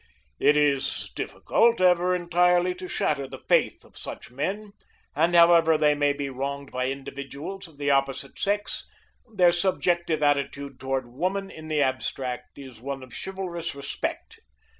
It is difficult ever entirely to shatter the faith of such men, and however they may be wronged by individuals of the opposite sex their subjective attitude toward woman in the abstract is one of chivalrous respect.